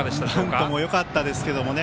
バントもよかったですけどね。